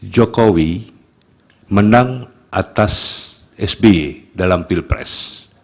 jokowi menang atas sby dalam pilpres